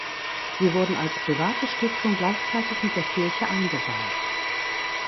Sie wurden als private Stiftung gleichzeitig mit der Kirche eingeweiht.